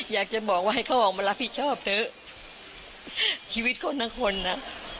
อยากจะบอกว่าให้เขาออกมารับผิดชอบเถอะชีวิตคนทั้งคนอ่ะ